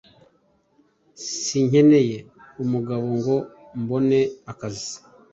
sinkeneye umugabo ngo mbone akazi